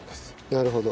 なるほど。